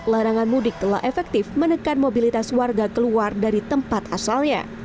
larangan mudik telah efektif menekan mobilitas warga keluar dari tempat asalnya